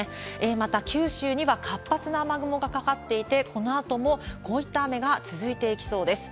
また九州には、活発な雨雲がかかっていて、このあともこういった雨が続いていきそうです。